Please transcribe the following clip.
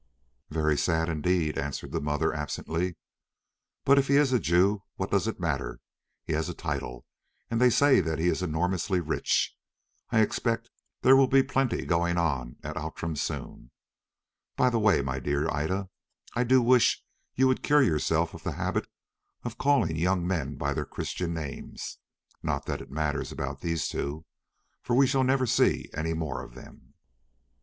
"Very sad indeed," answered the mother absently; "but if he is a Jew, what does it matter? He has a title, and they say that he is enormously rich. I expect there will be plenty going on at Outram soon. By the way, my dear Ida, I do wish you would cure yourself of the habit of calling young men by their Christian names—not that it matters about these two, for we shall never see any more of them."